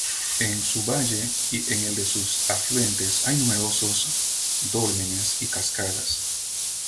En su valle y en el de sus afluentes hay numerosos dólmenes y cascadas.